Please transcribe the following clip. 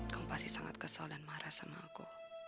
kamu pasti sangat kesel dan marah sama aku